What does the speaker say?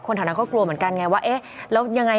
คนธนาคตกลัวเหมือนกันไงว่าเอ๊ะแล้วยังไงอ่ะ